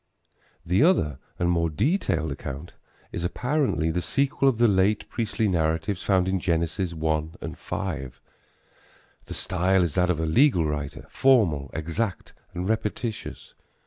The other and more detailed account is apparently the sequel of the late priestly narratives found in Genesis 1 and 5. The style is that of a legal writer formal, exact and repetitious.